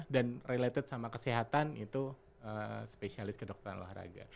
dan related sama kesehatan itu spesialis ke dokteran olahraga